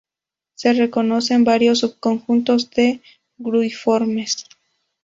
Se reconocen varios subconjuntos de Gruiformes.